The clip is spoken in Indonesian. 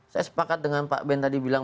saya sepakat dengan pak ben tadi bilang